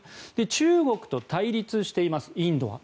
中国と対立していますインドは。